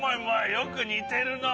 よくにてるなあ。